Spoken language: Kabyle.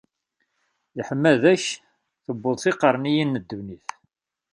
Leḥmada-k tewweḍ tiqerniyin n ddunit.